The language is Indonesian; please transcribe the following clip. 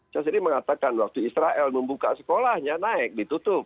saya sendiri mengatakan waktu israel membuka sekolahnya naik ditutup